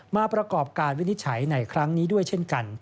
ประกอบการวินิจฉัยในครั้งนี้ด้วยเช่นกัน